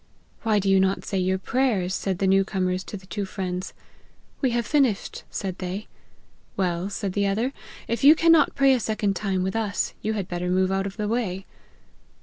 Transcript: Why do you not say your prayers ?' waid the new comers to the two friends. ' We have finished,' said they. ' Well,' said the other, ' if you cannot pray a second time with us, you had better move out of the way.'